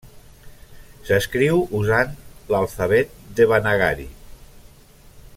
S'escriu usant l'alfabet devanagari.